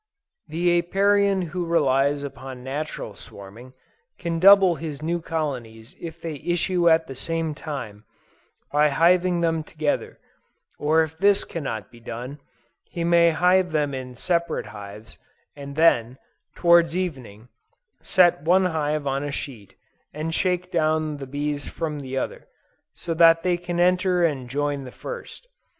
The Apiarian who relies upon natural swarming, can double his new colonies if they issue at the same time, by hiving them together, or if this cannot be done, he may hive them in separate hives, and then, towards evening, set one hive on a sheet, and shake down the bees from the other, so that they can enter and join the first.